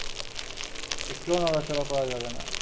একটুও নড়াচড়া করা যাবে না।